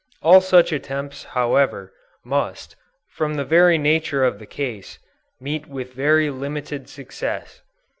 All such attempts however, must, from the very nature of the case, meet with very limited success.